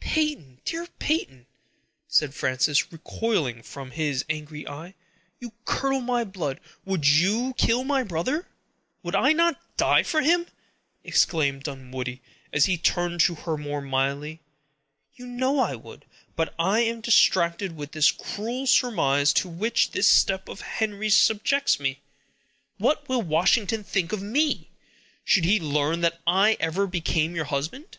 "Peyton, dear Peyton," said Frances, recoiling from his angry eye, "you curdle my blood—would you kill my brother?" "Would I not die for him!" exclaimed Dunwoodie, as he turned to her more mildly. "You know I would; but I am distracted with the cruel surmise to which this step of Henry's subjects me. What will Washington think of me, should he learn that I ever became your husband?"